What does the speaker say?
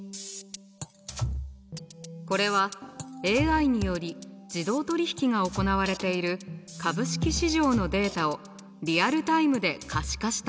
これはＡＩにより自動取引が行われている株式市場のデータをリアルタイムで可視化したもの。